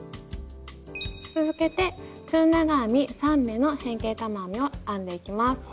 続けて中長編み３目の変形玉編みを編んでいきます。